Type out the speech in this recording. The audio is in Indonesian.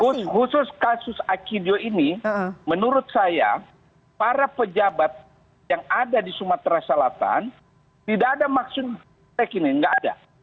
khusus kasus akidio ini menurut saya para pejabat yang ada di sumatera selatan tidak ada maksud saya gini nggak ada